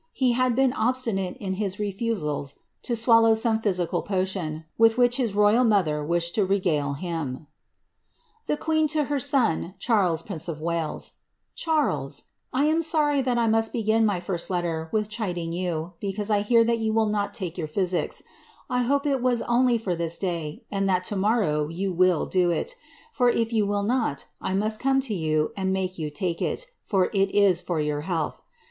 He had been itinate in his refusals to swallow some physical potion, with which royal mother wished to regale him : Tee QuBDf to aia son CaA&LSi, Puiiok ov Walii.' 1 am tony that I xsntt begin myfint letter with chiding yon, beoanie I hear t joa will not take pkuithi. I hope it was onlie fbr this day, and that to now yon will do it ; ibr if yon will not, I most come to you and make you at it, ibr it is for your health.